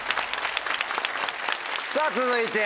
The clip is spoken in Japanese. さぁ続いて。